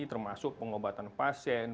termasuk pengobatan pasien